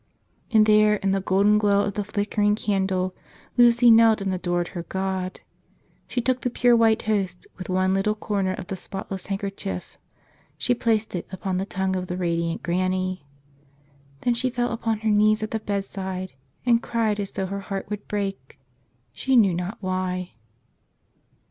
And there, in the golden glow of the flickering can¬ dle, Lucy knelt and adored her God — she took the pure white Host with one little corner of the spotless hand¬ kerchief — she placed it upon the tongue of the radiant Granny. Then she fell upon her knees at the bedside and cried as though her heart would break — she knew not why.